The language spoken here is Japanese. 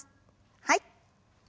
はい。